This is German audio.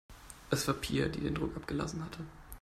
Es war Pia, die den Druck abgelassen hatte.